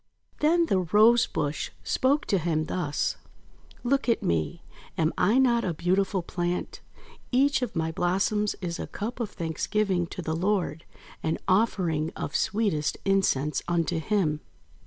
Then the Rose bush spoke to him thus: — "Look at me. Am I not a beautiful plant? Each of my blossoms is a Cup of Thanksgiving to the Lord, an offering of sweetest incense unto Him.